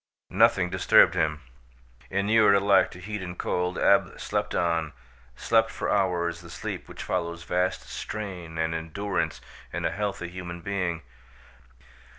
Nothing disturbed him. Inured alike to heat and cold, Ab slept on, slept for hours the sleep which follows vast strain and endurance in a healthy human being.